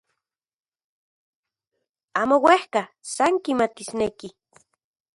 Amo uejka, san kimatisneki.